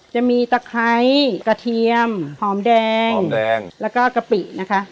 จะมีตะไคร้กระเทียมหอมแดงแล้วก็กะปินะคะ